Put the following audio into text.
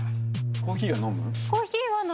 コーヒーは飲む？